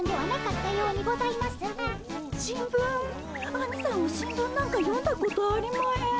アニさんは新聞なんか読んだことありまへん。